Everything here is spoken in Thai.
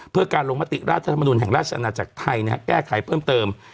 เพื่อการลงมติราชธรรมนุนแห่งราชอาณาจักรไทยแก้ไขเพิ่มเติม